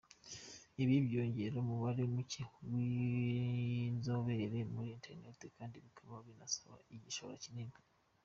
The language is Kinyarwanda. Ibi byiyongeraho umubare muke w’inzobere muri Internet, kandi bikaba binasaba igishoro kinini.